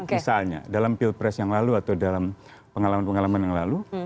misalnya dalam pilpres yang lalu atau dalam pengalaman pengalaman yang lalu